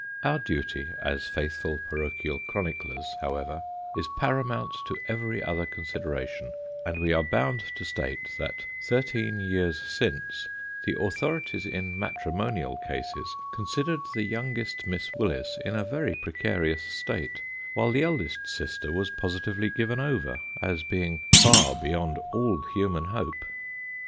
Our duty as faithful parochial chroniclers, however, is paramount to every other consideration, and we are bound to state, that thirteen years since, the authorities in matrimonial cases, considered the youngest Miss Willis in a very precarious state, while the eldest sister was positively given over, as being far beyond all human hope.